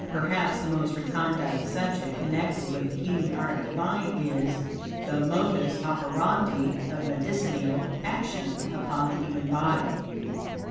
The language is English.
Perhaps the most recondite subject connected with the healing art divine is, the modus operandi of medicinal action, upon the human body.